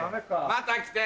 また来て。